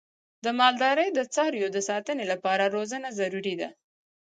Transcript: د مالدارۍ د څارویو د ساتنې لپاره روزنه ضروري ده.